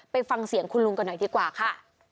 ไปฟังเสียงคุณลุงกันหน่อยดีกว่าค่ะ